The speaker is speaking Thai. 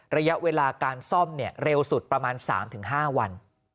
ระยะเวลาการซ่อมเร็วสุดประมาณ๓๕วัน